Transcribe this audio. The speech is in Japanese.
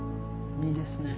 いいですね。